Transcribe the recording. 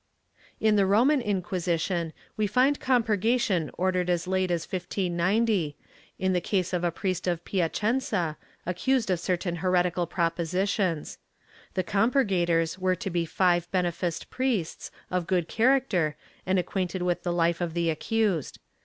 ^ In the Roman Inquisition we find compurgation ordered as late as 1590, in the case of a priest of Piacenza, accused of certain heretical propositions; the compurgators were to be five bene ficed priests of good character and acquainted with the life of the accused.